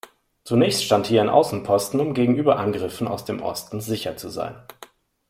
Zunächst stand hier ein Außenposten, um gegenüber Angriffen aus dem Osten sicher zu sein.